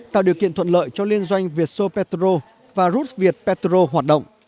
tạo điều kiện thuận lợi cho liên doanh vietso petro và rusviet petro hoạt động